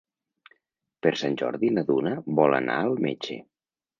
Per Sant Jordi na Duna vol anar al metge.